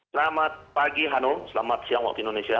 selamat pagi hanum selamat siang waktu indonesia